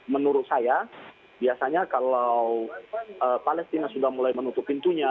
menurut saya biasanya kalau palestina sudah mulai menutup pintunya